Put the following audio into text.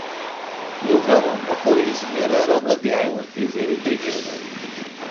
Yuba U Muḥ ur yezmir ara ad iɛawen Tiziri Tagawawt.